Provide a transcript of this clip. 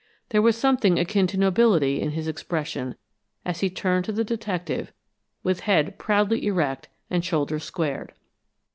There was something akin to nobility in his expression as he turned to the detective with head proudly erect and shoulders squared.